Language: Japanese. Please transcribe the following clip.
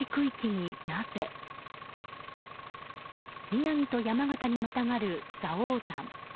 宮城と山形にまたがる蔵王山。